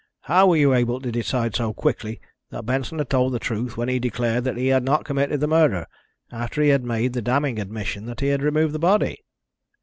"How were you able to decide so quickly that Benson had told the truth when he declared that he had not committed the murder, after he had made the damning admission that he had removed the body?"